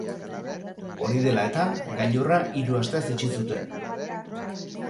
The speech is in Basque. Hori dela eta, gailurra hiru astez itxi zuten.